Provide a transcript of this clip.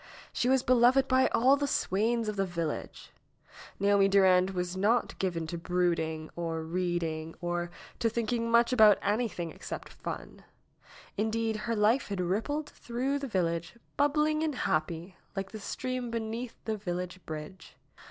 She was beloved by all the swains of the village. Naomi Durand was not given to brooding, or reading, or to thinking much about anything except fun. Indeed, her life had rippled through the village, bubbling and happy, like the stream beneath the village bridge.